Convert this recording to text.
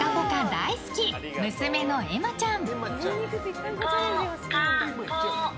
大好き娘のえまちゃん。